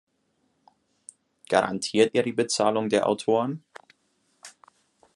Garantiert er die Bezahlung der Autoren?